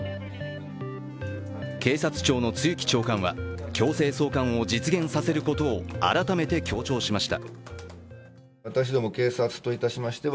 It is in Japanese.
警察庁の露木長官は、強制送還を実現させることを改めて強調しました。